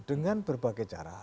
dengan berbagai cara